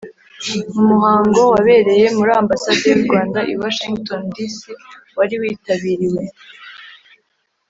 Mu muhango wabereye muri Ambasade y u Rwanda i Washington D C wari witabiriwe